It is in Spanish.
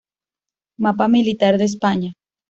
Mapa Militar de España.